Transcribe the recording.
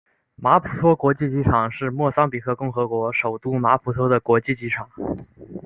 马普托国际机场是莫桑比克共和国首都马普托的国际机场。